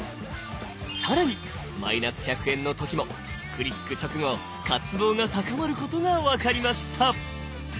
更にマイナス１００円の時もクリック直後活動が高まることが分かりました。